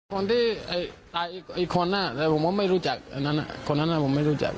คนที่ตายอีกคนแต่ผมว่าไม่รู้จักอันนั้นคนนั้นผมไม่รู้จัก